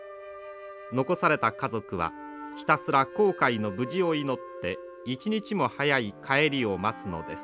残された家族はひたすら航海の無事を祈って一日も早い帰りを待つのです。